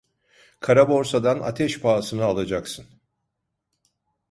Karaborsadan ateş pahasına alacaksın.